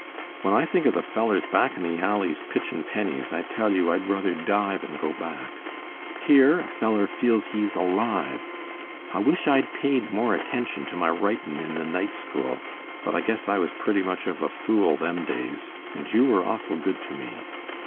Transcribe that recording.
When I think of the fellers back in the alleys pitchin' pennies I tell you I'd ruther die than go back. Here a feller feels he's alive. I wish I'd paid more attention to my writin' in the night school, but I guess I was pretty much of a fool them days, and you were awful good to me.